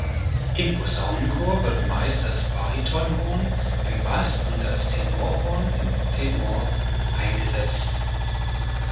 Im Posaunenchor wird meist das Baritonhorn im Bass und das Tenorhorn im Tenor eingesetzt.